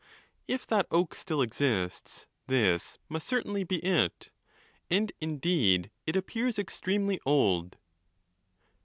If that oak still exists, this must certainly be it: and, indeed, it appears extremely old.